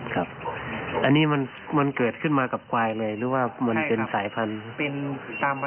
อย่างนี้มลวงเกิดขึ้นมากับควายหรือมลวงสายพันธุ์